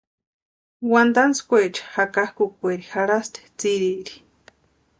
Wantantskwaecha jakakʼukwaeri jarhasti tsirieri.